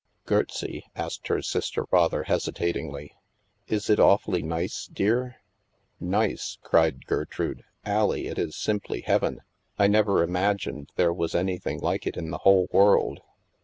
Gertsie," asked her sister rather hesitatingly, is it awfully nice, dear?" Nice?" cried Gertrude. Allie, it is simply heaven. I never imagined there was an)rthing like it in the whole world.